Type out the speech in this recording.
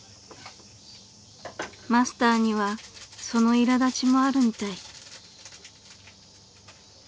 ［マスターにはそのいら立ちもあるみたい］